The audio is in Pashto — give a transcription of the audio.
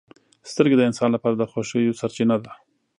• سترګې د انسان لپاره د خوښیو سرچینه ده.